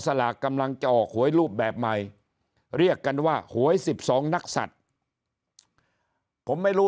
สลากกำลังจะออกหวยรูปแบบใหม่เรียกกันว่าหวย๑๒นักศัตริย์ผมไม่รู้